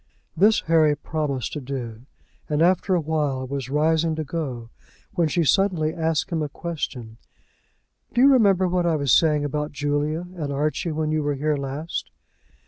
This Harry promised to do, and after a while was rising to go, when she suddenly asked him a question. "Do you remember what I was saying about Julia and Archie when you were here last?"